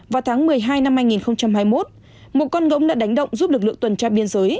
vào tháng một mươi hai năm hai nghìn hai mươi một một con ngỗng đã đánh động giúp lực lượng tuần tra biên giới